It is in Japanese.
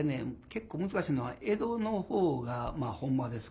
結構難しいのは江戸のほうがほんまですからね。